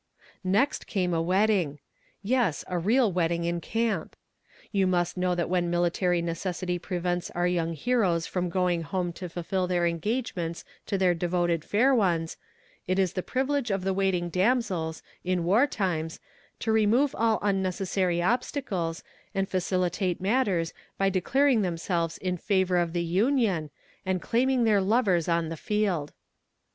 Next came a wedding! Yes; a real wedding in camp. You must know that when military necessity prevents our young heroes from going home to fulfill their engagements to their devoted fair ones, it is the privilege of the waiting damsels, in war times, to remove all unnecessary obstacles, and facilitate matters by declaring themselves in favor of the union, and claiming their lovers on the field.